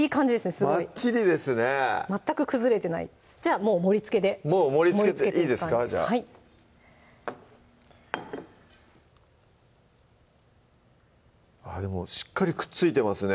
すごいバッチリですね全く崩れてないじゃあもう盛りつけでもう盛りつけていいですかじゃあはいあっでもしっかりくっついてますね